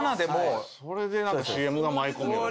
それでＣＭが舞い込むように。